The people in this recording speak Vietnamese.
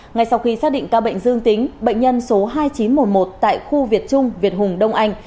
ngay sau khi xác định ca bệnh dương tính bệnh nhân số hai nghìn chín trăm một mươi một tại khu việt trung việt hùng đông anh